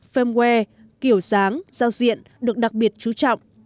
femware kiểu dáng giao diện được đặc biệt chú trọng